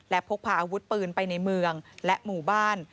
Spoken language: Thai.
และพกพาอาวุธปืนไปในเมืองและหมู่บ้าน